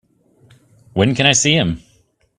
When can I see him?